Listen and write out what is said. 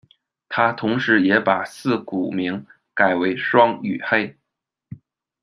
他同时也把四股名改为双羽黑。